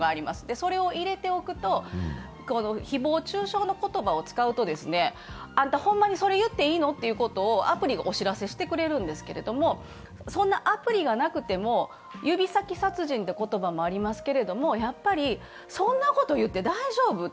それを入れておくと誹謗中傷の言葉を使うとあんたほんまにそれ言っていいのということをアプリがお知らせしてくれるんですけれども、そんなアプリがなくても、「指先殺人」という言葉もありますが、やっぱりそんなこと言って大丈夫？